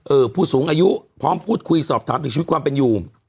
ผู้สูงอายุพร้อมพูดคุยสอบถามถึงชีวิตความเป็นอยู่